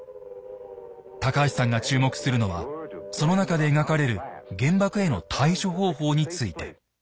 高橋さんが注目するのはその中で描かれる原爆への対処方法について。